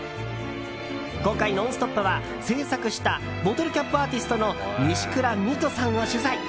今回「ノンストップ！」は制作したボトルキャップアーティストの西倉ミトさんを取材。